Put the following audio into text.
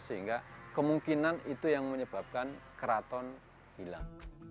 sehingga kemungkinan itu yang menyebabkan keraton hilang